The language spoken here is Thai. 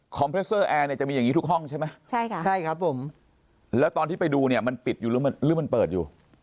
คอมเพรสเซอร์แอร์จะมีอย่างนี้ทุกห้องใช่ไหมใช่ครับแล้วตอนที่ไปดูมันปิดอยู่หรือมันเปิดอยู่